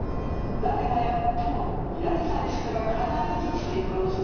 誰がやってもやりさえすれば必ず成功する」。